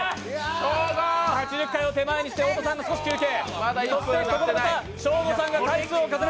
８０回を手前にして太田さんが休憩。